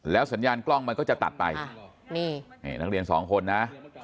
แล้วสัญญากล้องจะตัดไปนักเรียน๒คนน่ะ